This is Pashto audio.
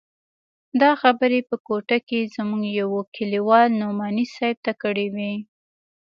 دا خبرې په کوټه کښې زموږ يوه کليوال نعماني صاحب ته کړې وې.